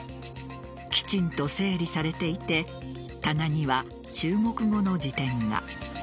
きちんと整理されていて棚には中国語の辞典が。